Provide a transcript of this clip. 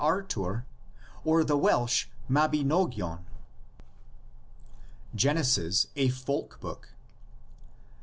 Arthur or the Welsh Mabinogion. GENESIS A FOLK BOOK.